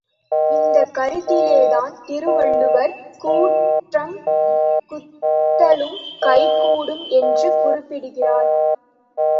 இந்தக் கருத்திலேதான் திருவள்ளுவர், கூற்றம் குதித்தலும் கைகூடும் என்று குறிப்பிடுகிறார்.